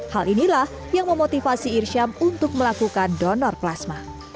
hal inilah yang memotivasi irsyam untuk melakukan donor plasma